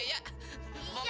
iya pak kena